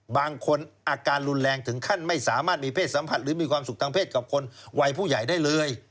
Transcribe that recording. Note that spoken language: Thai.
บางคนอาการรุนแรงถึงขั้นไม่สามารถมีเพศสัมผัสหรือมีความสุขทางเพศกับคนวัยผู้ใหญ่ได้เลย